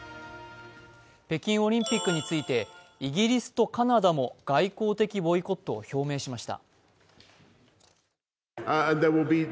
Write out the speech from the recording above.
北京オリンピックについてイギリスとカナダも外交的ボイコットを表明しました。